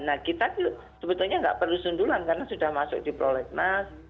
nah kita sebetulnya nggak perlu sundulan karena sudah masuk di prolegnas